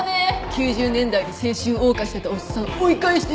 ９０年代に青春謳歌してたおっさん追い返してやったぜ！